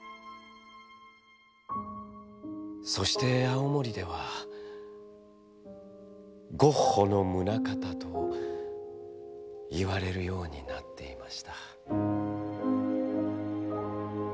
「そして青森では『ゴッホのムナカタ』といわれるようになっていました」。